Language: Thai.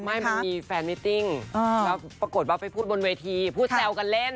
ไม่มีแฟนมิติ้งแล้วปรากฏว่าไปพูดบนเวทีพูดแซวกันเล่น